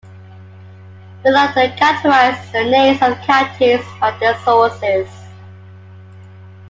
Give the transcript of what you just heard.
Below are categorized the names of counties by their sources.